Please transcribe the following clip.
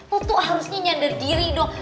lu tuh harusnya nyander diri dong